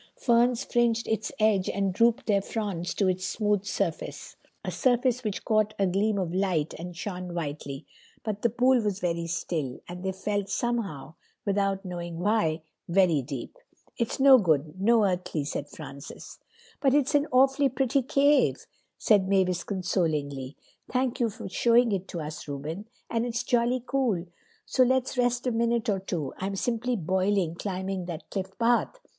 Ferns fringed its edge and drooped their fronds to its smooth surface—a surface which caught a gleam of light, and shone whitely; but the pool was very still, and they felt somehow, without knowing why, very deep. "It's no good, no earthly," said Francis. "But it's an awfully pretty cave," said Mavis consolingly. "Thank you for showing it to us, Reuben. And it's jolly cool. Do let's rest a minute or two. I'm simply boiling, climbing that cliff path.